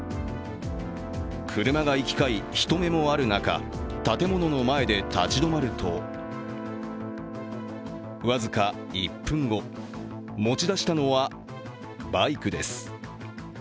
車が行き交い、人目もある中建物の前で立ち止まると僅か１分後、持ち出したのはバイクです。